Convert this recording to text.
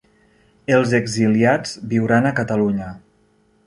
Els exiliats viuran a Catalunya.